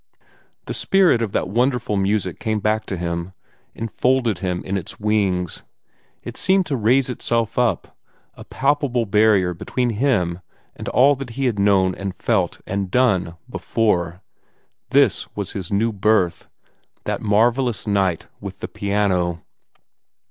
The spirit of that wonderful music came back to him, enfolded him in its wings. It seemed to raise itself up a palpable barrier between him and all that he had known and felt and done before. That was his new birth that marvellous night with the piano.